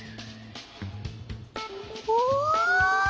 お！